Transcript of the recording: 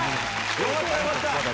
よかったよかった。